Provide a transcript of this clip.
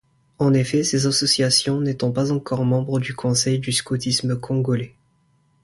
En effet, ces associations n'étant pas encore membre du Conseil du Scoutisme Congolais.